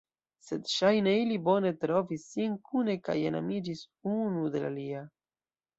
Sed ŝajne ili bone trovis sin kune kaj enamiĝis unu de la alia.